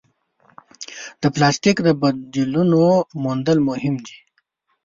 د پلاسټیک د بدیلونو موندل مهم دي.